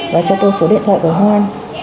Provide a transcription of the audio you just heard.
và cho tôi số điện thoại của hoan